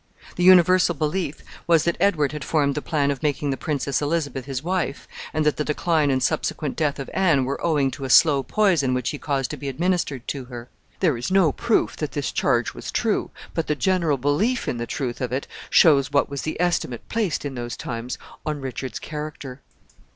The universal belief was that Richard had formed the plan of making the Princess Elizabeth his wife, and that the decline and subsequent death of Anne were owing to a slow poison which he caused to be administered to her. There is no proof that this charge was true, but the general belief in the truth of it shows what was the estimate placed, in those times, on Richard's character.